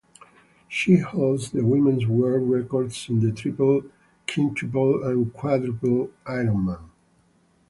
She holds the women's world records in the triple, quintuple and quadruple ironman.